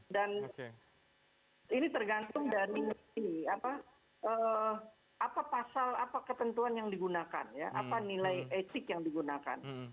dan ini tergantung dari apa pasal apa ketentuan yang digunakan apa nilai etik yang digunakan